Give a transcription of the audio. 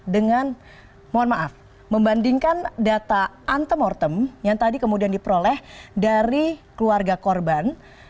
dengan mohon maaf membandingkan data antemortem yang tadi kemudian diperoleh dari keluarga korban